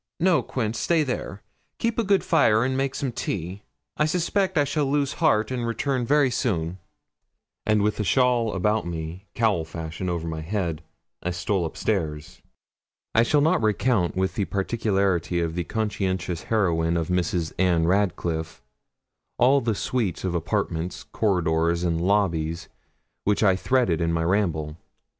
'No, Quince; stay there; keep a good fire, and make some tea. I suspect I shall lose heart and return very soon;' and with a shawl about me, cowl fashion, over my head, I stole up stairs. I shall not recount with the particularity of the conscientious heroine of Mrs. Ann Radcliffe, all the suites of apartments, corridors, and lobbies, which I threaded in my ramble.